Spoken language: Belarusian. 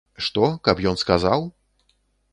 Што, каб ён сказаў?